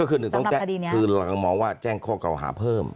ก็คือหนึ่งต้องแจ้งคือหลังมองว่าแจ้งข้อเก่าหาเพิ่ม